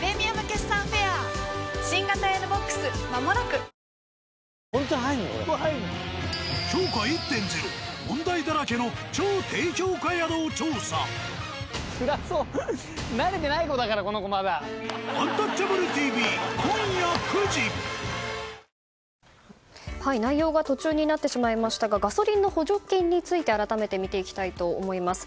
「セラムシールド」誕生内容が途中になってしまいましたがガソリンの補助金について改めて見ていきたいと思います。